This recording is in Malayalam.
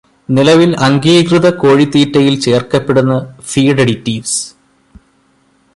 നിലവില് അംഗീകൃത കോഴിത്തീറ്റയിൽ ചേർക്കപ്പെടുന്ന ഫീഡ് അഡിറ്റിവ്സ്.